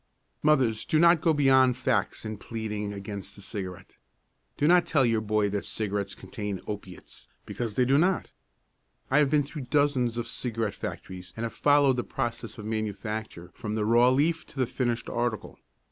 Mothers, do not go beyond facts in pleading against the cigarette. Do not tell your boy that cigarettes contain opiates, because they do not. I have been through dozens of cigarette factories and have followed the process of manufacture from the raw leaf to the finished article.